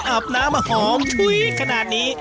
อาบน้ำมาหอมชุ้ยขนาดนี้